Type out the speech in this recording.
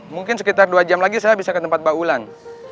mungkin sekitar dua jam lagi saya bisa ke tempat mbak wulan